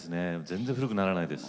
全然古くならないです。